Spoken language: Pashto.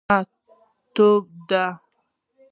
غرمه تود دی.